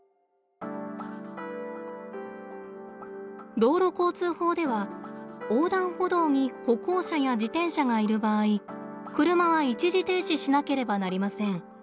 道路交通法では横断歩道に歩行者や自転車がいる場合車は一時停止しなければなりません。